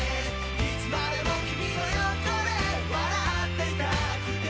「いつまでも君の横で笑っていたくて」